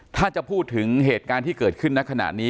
ถ้าจะพูดถึงเหตุการณ์ที่เกิดขึ้นในขณะนี้